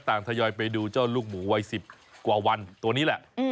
ทยอยไปดูเจ้าลูกหมูวัย๑๐กว่าวันตัวนี้แหละ